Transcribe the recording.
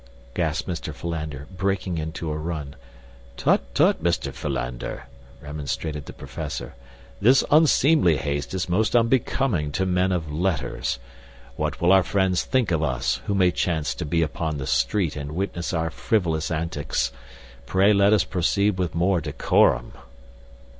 gasped Mr. Philander, breaking into a run. "Tut, tut, Mr. Philander," remonstrated the professor, "this unseemly haste is most unbecoming to men of letters. What will our friends think of us, who may chance to be upon the street and witness our frivolous antics? Pray let us proceed with more decorum."